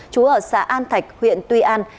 chú ở xã an thạch huyện tuy an